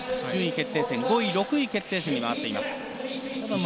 順位決定戦、５位６位決定戦に回っています。